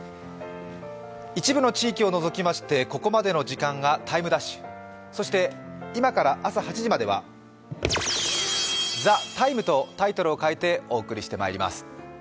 一部の地域の除きましてここまでの時間が「ＴＩＭＥ’」そして今から朝８時までは「ＴＨＥＴＩＭＥ，」とタイトルを変えてお送りしてまいります。